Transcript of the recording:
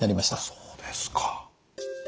そうですか。